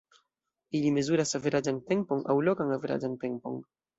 Ili mezuras averaĝan tempon aŭ "lokan averaĝan tempon".